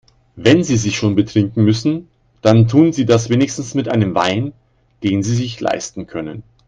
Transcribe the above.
Wenn Sie sich schon betrinken müssen, dann tun Sie das wenigstens mit einem Wein, den Sie sich leisten können.